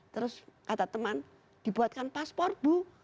terus kata teman dibuatkan paspor bu